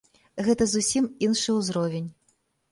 Гэта зусім іншы ўзровень.